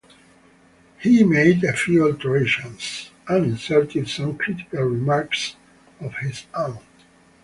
He made a few alterations, and inserted some critical remarks of his own.